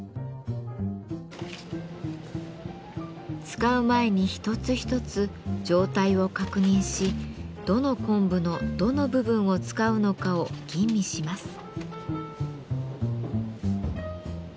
使う前に一つ一つ状態を確認しどの昆布のどの部分を使うのかを吟味します。